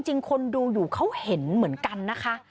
จริงคนดูอยู่เขาเห็นเหมือนกันนะคะ